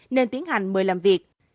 nên tiến hành mời làm việc